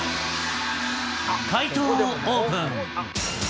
解答をオープン。